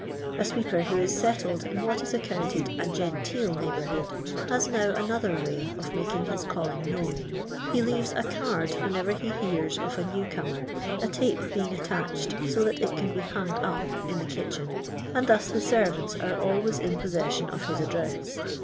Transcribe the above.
A sweeper, who is settled in what is aocounted a " genteel neish bourhood," haa now another way of making his calling known. He leaves a card whenever he hears of a new comer, a tope being attached, so that it can be hnng^ up in the kitehen, and thus the servants are always in possession of his address.